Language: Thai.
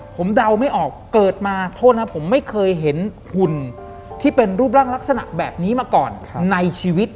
ผมเดาไม่ออกเกิดมาโทษนะครับผมไม่เคยเห็นหุ่นที่เป็นรูปร่างลักษณะแบบนี้มาก่อนในชีวิต